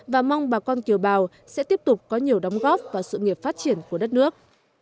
và mong bà con kiều bào sẽ tiếp tục có nhiều đóng góp vào sự nghiệp phát triển của đất nước